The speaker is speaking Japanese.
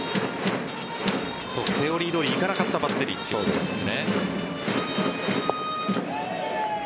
セオリーどおりいかなかったバッテリーですね。